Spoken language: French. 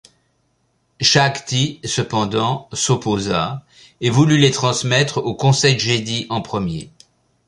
Shaak Ti, cependant, s'opposa et voulut les transmettre au conseil Jedi en premier.